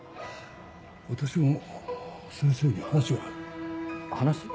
私も先生に話がある。